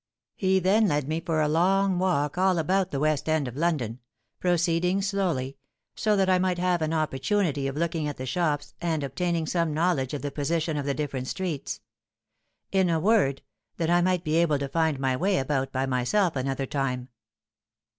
He then led me for a long walk all about the West end of London,—proceeding slowly, so that I might have an opportunity of looking at the shops and obtaining some knowledge of the position of the different streets: in a word, that I might be able to find my way about by myself another time.